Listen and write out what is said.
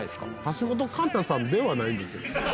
「橋本環奈さんではないんですけど」